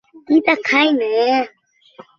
একজন মদ্যপ শিক্ষকের।